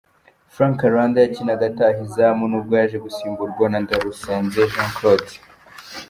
Frank Kalanda yakinaga ataha izamu nubwo yaje gusimburwa na Ndarusanze Jean Claude.